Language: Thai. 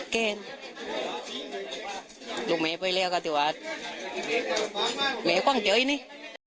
เกรนลูกเมย์ไปเรียกกับติวัตรเมย์กว้างเจ๋ยนี่